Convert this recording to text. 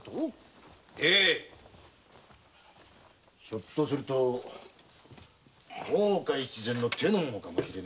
ひょっとすると大岡越前の手の者かもしれねぇな。